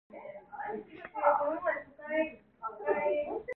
이 때부터 그의 숨소리가 차차 높아가기 시작했습니다.